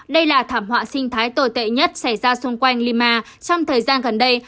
đây là thảm họa sinh thái tồi tệ nhất xảy ra xung quanh lima trong thời gian gần đây